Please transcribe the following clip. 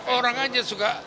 orang aja suka